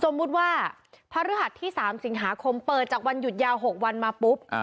สมมุติว่าพระฤหัสที่๓สิงหาคมเปิดจากวันหยุดยาว๖วันมาปุ๊บ